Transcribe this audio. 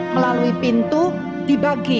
melalui pintu dibagi